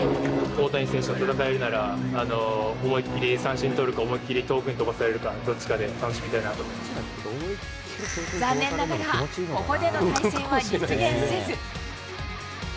大谷選手と戦えるなら、思いっ切り三振取るか思いっ切り遠くに飛ばされるかのどっちかで残念ながらここでの対戦は実現せず。